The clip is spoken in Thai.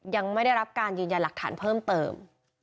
ยังไม่ได้รับการยืนยันหลักฐานเพิ่มเติม